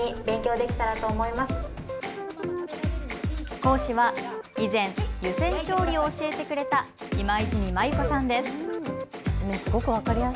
講師は以前、湯煎調理を教えてくれた今泉マユ子さんです。